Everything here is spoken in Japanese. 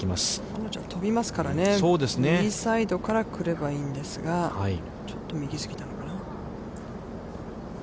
彼女は飛びますからね、右サイドから来ればいいんですが、ちょっと右すぎたのかな。